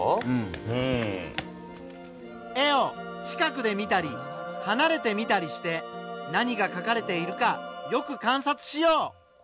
絵を近くで見たりはなれて見たりして何がかかれているかよく観察しよう。